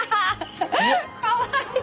かわいい。